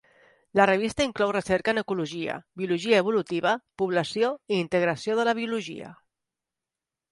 La revista inclou recerca en ecologia, biologia evolutiva, població i integració de la biologia.